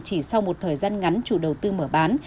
chỉ sau một thời gian ngắn chủ đầu tư mở bán